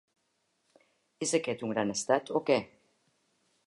"És aquest un gran estat o què?"